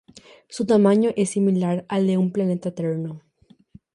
Su tamaño es similar al de un planeta entero.